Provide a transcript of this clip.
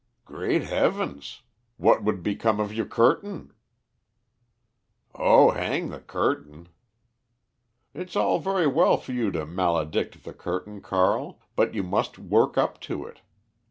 "Great heavens! What would become of your curtain?" "Oh, hang the curtain!" "It's all very well for you to maledict the curtain, Carl, but you must work up to it.